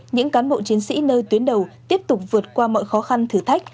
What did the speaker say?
những cán bộ chiến sĩ nơi tuyến đầu tiếp tục vượt qua mọi khó khăn thử thách